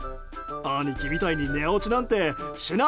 兄貴みたいに寝落ちなんてしな。